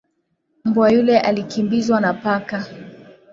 Mbwa yule alikimbizwa na paka